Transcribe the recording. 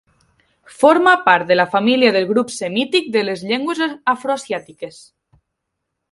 Forma part de la família del grup semític de les llengües afroasiàtiques.